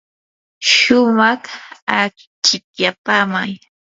shumaq achikyapaamay.